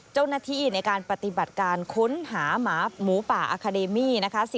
เจ้าหน้าที่ในการปฏิบัติการค้นหาหมาหมูป่าอาคาเดมี่นะคะ